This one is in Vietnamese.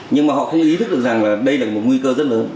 nhưng mà họ không ý thức được rằng là đây là một nguy cơ rất lớn